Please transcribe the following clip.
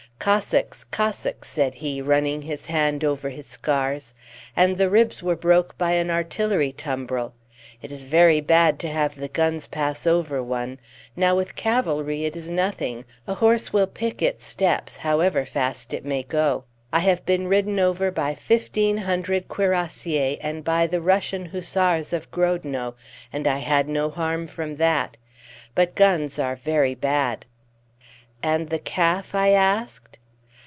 "Cossacks! Cossacks!" said he, running his hand over his scars. "And the ribs were broke by an artillery tumbril. It is very bad to have the guns pass over one. Now with cavalry it is nothing. A horse will pick its steps however fast it may go. I have been ridden over by fifteen hundred cuirassiers A and by the Russian hussars of Grodno, and I had no harm from that. But guns are very bad." "And the calf?" I asked.